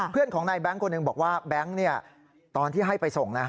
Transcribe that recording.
เพื่อนของนายแบงค์คนหนึ่งบอกว่าแบงค์ตอนที่ให้ไปส่งนะ